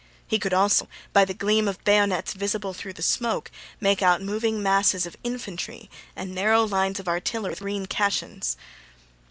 He could also, by the gleam of bayonets visible through the smoke, make out moving masses of infantry and narrow lines of artillery with green caissons.